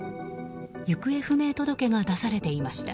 行方不明届けが出されていました。